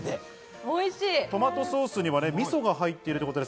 トマトソースにはみそが入っているということです。